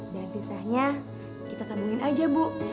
dan sisanya kita tabungin aja bu